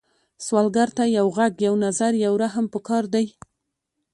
سوالګر ته یو غږ، یو نظر، یو رحم پکار دی